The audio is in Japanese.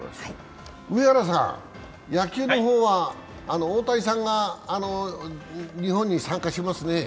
上原さん、野球の方は大谷さんが日本に参加しますね。